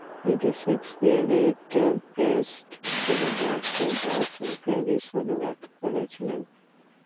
তিনি শেক্সপিয়ারের টেম্পেস্ট এবং মার্চেন্ট অফ ভেনিস অনুবাদ করেছিলেন।